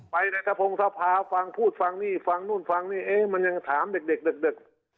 ไปในทะพงศภาฟังพูดฟังนี่ฟังนู่นฟังนี่เอ๊ะมันยังถามเด็กดึก